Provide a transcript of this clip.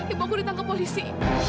ibu aku ditangkap polisi